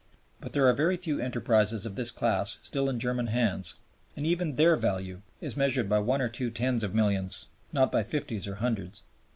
But there are very few enterprises of this class still in German hands, and even their value is measured by one or two tens of millions, not by fifties or hundreds.